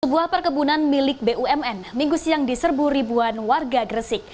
sebuah perkebunan milik bumn minggu siang diserbu ribuan warga gresik